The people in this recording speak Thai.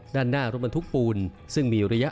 ด้านหน้ารถบรรทุกปูนซึ่งมีระยะ